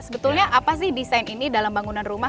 sebetulnya apa sih desain ini dalam bangunan rumah